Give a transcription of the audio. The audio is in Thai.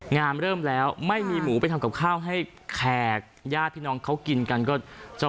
เริ่มแล้วไม่มีหมูไปทำกับข้าวให้แขกญาติพี่น้องเขากินกันก็จะ